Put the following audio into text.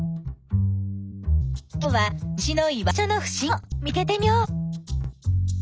今日は虫の居場所のふしぎを見つけてみよう。